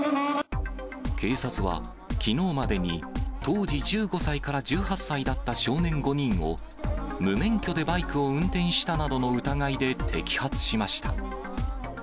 警察は、きのうまでに当時１５歳から１８歳だった少年５人を、無免許でバイクを運転したなどの疑いで摘発しました。